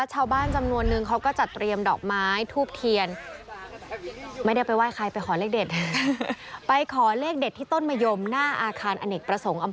ชาวบ้านจำนวนนึงเขาก็จัดเตรียมดอกไม้ทูบเทียน